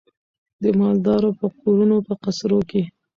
د مالدارو په کورونو په قصرو کي